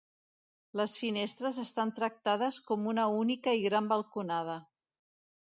Les finestres estan tractades com una única i gran balconada.